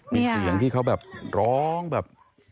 มีเสียงที่เขาแบบร้องแบบ